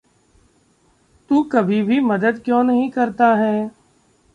तू कभी भी मदद क्यों नहीं करता है?